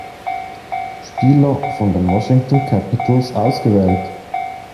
Spieler von den Washington Capitals ausgewählt.